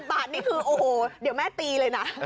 บาทนี่คือโอ้โหเดี๋ยวแม่ตีเลยนะ